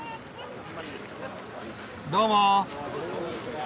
どうも。